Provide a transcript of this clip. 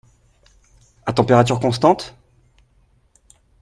À température constante?